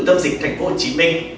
từ tâm dịch thành phố hồ chí minh